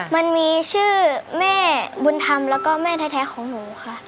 มันมีชื่อแม่บุญธรรมแล้วก็แม่แท้ของหนูค่ะ